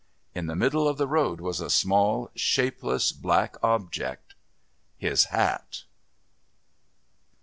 In the middle of the road was a small, shapeless, black object. ...His hat!